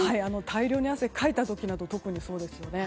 大量に汗をかいた時などは特にそうですよね。